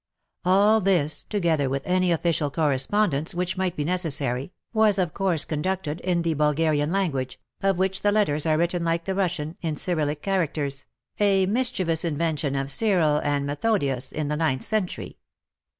All this, together with any official correspondence which might be neces sary, was of course conducted in the Bulgarian language, of which the letters are written like the Russian — in Cyrillic characters, a mis chievous invention of Cyril and Methodius in the ninth century.